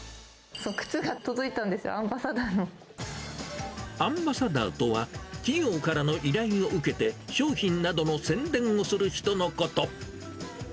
靴が届いたんですよ、アンバアンバサダーとは、企業からの依頼を受けて商品などの宣伝をする人のこと。